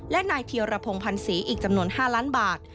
และนายเทียรพงศ์พันธ์ศรีอีกจำนวน๕ล้านบาท